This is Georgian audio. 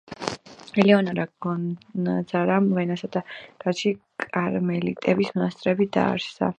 ელეონორა გონძაგამ ვენასა და გრაცში კარმელიტების მონასტრები დააარსა.